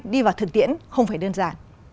đi vào thực tiễn không phải đơn giản